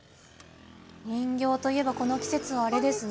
人形といえば、この季節はあれですね。